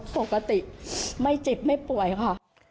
ปกติไม่จิบไม่เป็นป่วยค่ะ